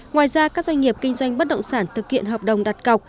ngoài ra các doanh nghiệp kinh doanh bất động sản thực hiện hợp đồng đặt cọc